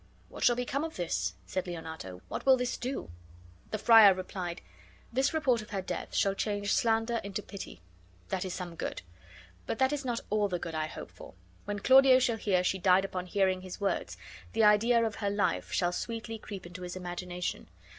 "What shall become of this?" said Leonato. "What will this do?" The friar replied: "This report of her death shall change slander into pity; that is some good. But that is not all the good 1 hope for. When Claudio shall hear she died upon hearing his words, the idea of her life shall sweetly creep into his imagination.